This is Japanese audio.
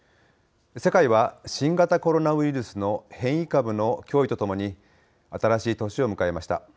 世界は新型コロナウイルスの変異株の脅威とともに新しい年を迎えました。